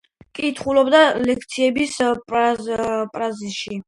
კითხულობდა ლექციებს პარიზში.